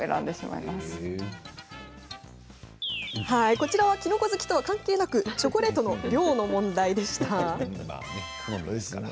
こちらはキノコ好きとは関係なくチョコレートの量の問題でした。